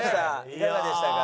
いかがでしたか？